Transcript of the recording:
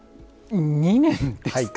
２年ですか！